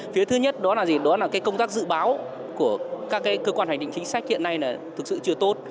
phía thứ nhất đó là công tác dự báo của các cơ quan hành định chính sách hiện nay thực sự chưa tốt